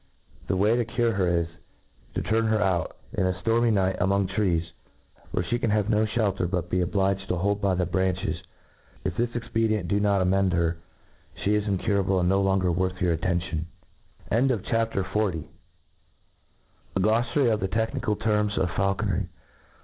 The way to cure her is, to turn her out, in a ftormy night, among trees, where flie can have no flielter, but be obliged to hold by the branches. If this expedient do not amend her, fhe is incurable, and no longer worth your attention. K k A G L O S^ A Glossary of the Technical Terms of Faulconry.